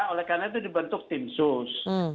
oleh karena itu dibentuk tim sus